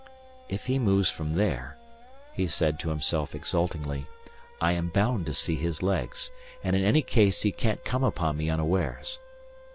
"If he moves from there," he said to himself exultingly, "I am bound to see his legs. And in any case he can't come upon me unawares."